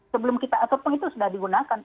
sebelum kita atur pun itu sudah digunakan